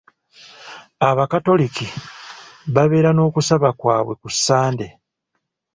Abakatoliki babeera n'okusaba kwaabwe ku Sande.